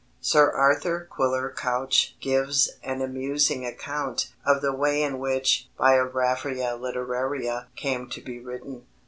Sir Arthur Quiller Couch gives an amusing account of the way in which Biographia Literaria came to be written.